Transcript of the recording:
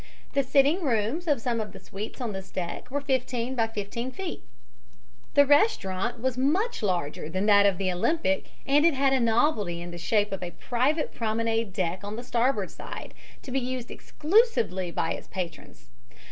The sitting rooms of some of the suites on this deck were 15 x 15 feet. The restaurant was much larger than that of the Olympic and it had a novelty in the shape of a private promenade deck on the starboard side, to be used exclusively by its patrons.